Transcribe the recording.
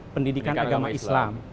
pendidikan agama islam